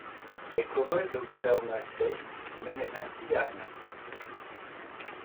Les Cowboys d'Oklahoma State menaient ainsi à rien.